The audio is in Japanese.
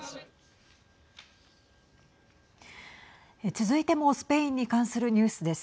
続いてもスペインに関するニュースです。